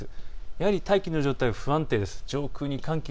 やはり大気の状態、不安定です。